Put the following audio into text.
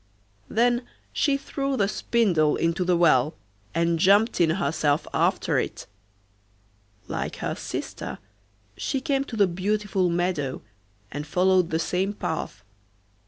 Then she threw the spindle into the well, and jumped in herself after it. Like her sister she came to the beautiful meadow, and followed the same path.